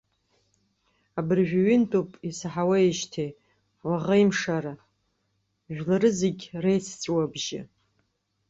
Абыржәы ҩынтәуп исаҳауеижьҭеи, уаӷеимшхара, жәлары зегьы реицҵәыуабжьы.